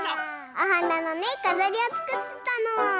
おはなのねかざりをつくってたの。